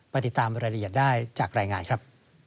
ติดตามรายละเอียดได้จากรายงานครับ